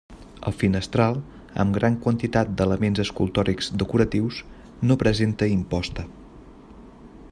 El finestral, amb gran quantitat d'elements escultòrics decoratius, no presenta imposta.